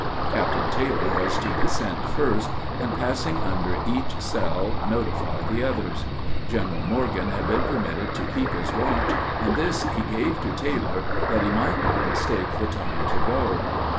Captain Taylor was to descend first, and, passing under each cell, notify the others. General Morgan had been permitted to keep his watch, and this he gave to Taylor that he might not mistake the time to go.